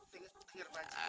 dengar pak haji